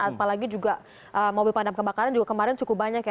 apalagi juga mobil pandam kebakaran juga kemarin cukup banyak ya